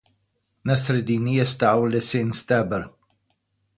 Na sredini je stal lesen steber.